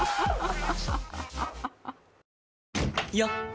よっ！